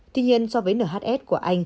tuy nhiên so với nhs của anh